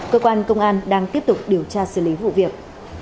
cơ quan công an đang tiếp tục điều tra xử lý vụ việc